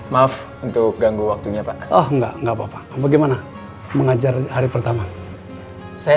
maaf untuk ganggu waktunya pak oh enggak enggak apa apa bagaimana mengajar hari pertama saya